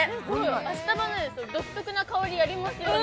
明日葉の独特の香りがありますよね。